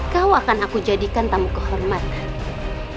kau akan aku jadikan tamu kehormatan